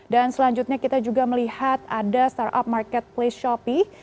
dan selanjutnya kita juga melihat ada startup marketplace shopee